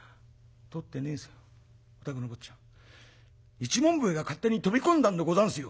一文笛が勝手に飛び込んだんでござんすよ」。